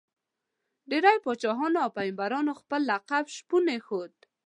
ډېری پاچاهانو او پيغمبرانو خپل لقب شپون ایښود.